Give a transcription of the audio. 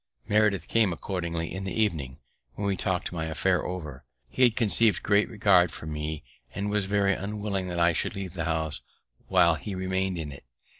Meredith came accordingly in the evening, when we talked my affair over. He had conceiv'd a great regard for me, and was very unwilling that I should leave the house while he remain'd in it.